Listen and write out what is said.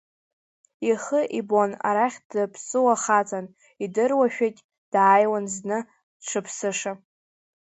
Ихы ибон арахь даԥсыуа хаҵан, идыруашәагь дааиуан зны дшыԥсыша.